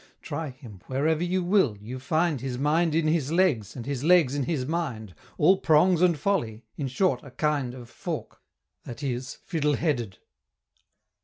Try him, wherever you will, you find His mind in his legs, and his legs in his mind, All prongs and folly in short a kind Of fork that is Fiddle headed.